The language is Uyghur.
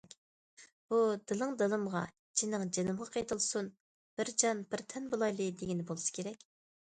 بۇ دىلىڭ دىلىمغا، جېنىڭ جېنىمغا قېتىلسۇن، بىر جان، بىر تەن بولايلى دېگىنى بولسا كېرەك.